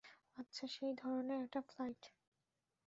আচ্ছা, সেই ধরণের একটা ফ্লাইট।